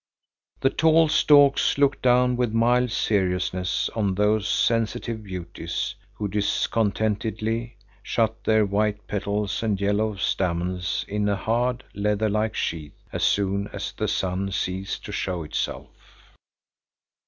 The tall stalks looked down with mild seriousness on those sensitive beauties, who discontentedly shut their white petals and yellow stamens in a hard, leather like sheath as soon as the sun ceased to show itself.